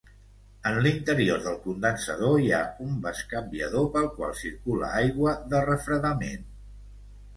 En l'interior del condensador hi ha un bescanviador pel qual circula aigua de refredament.